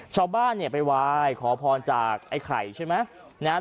ชาวบ้านเนี้ยไปวายขอพรจากไอ้ไข่ใช่ไหมนะฮะ